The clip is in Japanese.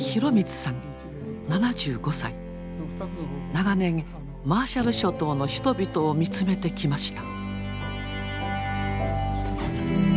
長年マーシャル諸島の人々を見つめてきました。